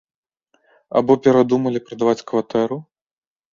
Або перадумалі прадаваць кватэру.